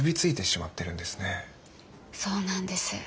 そうなんです。